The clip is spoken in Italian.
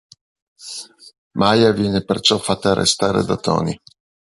Maya viene perciò fatta arrestare da Tony.